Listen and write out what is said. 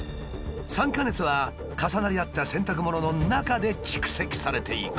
酸化熱は重なり合った洗濯物の中で蓄積されていく。